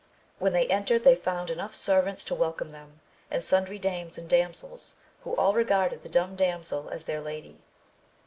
When they entered they found enough servants to welcome them, and sundry dames and damsels, who all regarded the dumb damsel as their lady.